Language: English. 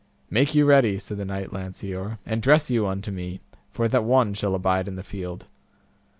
Make you ready, said the knight Lanceor, and dress you unto me, for that one shall abide in the field.